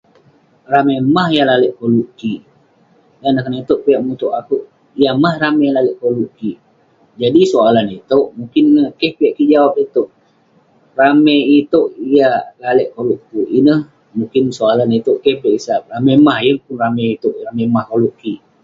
Ramey mah yah lalek koluk kik? Dan neh konak inouk piak mutouk akouk, yah mah ramey lalek koluk kik? Jadi soalan itouk mukin neh keh piak kik jawab itouk. Ramey itouk yah lalek koluk kik ineh. Ineh Mukin soalan itouk keh piak kek sap. Yah mah? Yeng pun ramey itouk, ramey mah koluk kik.